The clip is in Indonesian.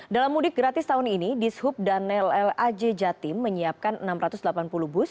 dalam mudik gratis tahun ini dishub dan ll aj jatim menyiapkan enam ratus delapan puluh bus